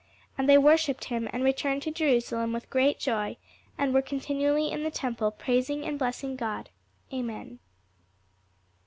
And they worshipped him, and returned to Jerusalem with great joy: and were continually in the temple, praising and blessing God, Amen.